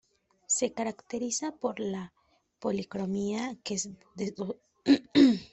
Se caracteriza por la policromía de su plumaje.